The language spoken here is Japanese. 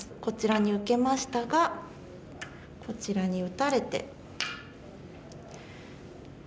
こちらに受けましたがこちらに打たれて。